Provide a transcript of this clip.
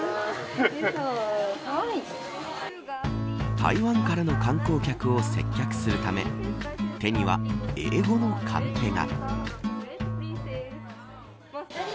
台湾からの観光客を接客するため手には英語のカンペが。